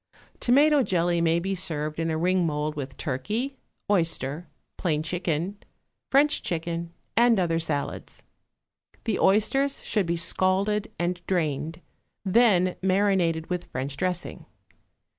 Tomato jelly may be served in a ring mould with turkey, oyster, plain chicken, French chicken, and other salads. The oysters should be scalded and drained, then marinated with French dressing.